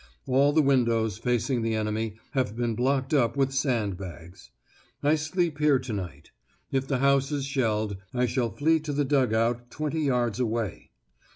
All the windows facing the enemy have been blocked up with sand bags. I sleep here to night. If the house is shelled, I shall flee to the dug out twenty yards away.